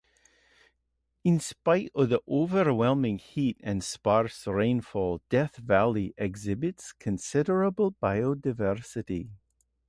In spite of the overwhelming heat and sparse rainfall, Death Valley exhibits considerable biodiversity.